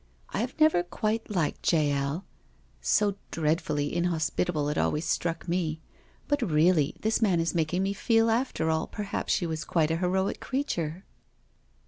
" I have never quite liked Jael — so dread fully inhospitable it always struck me — but really this man is making me feel after all perhaps she was quite a heroic creature.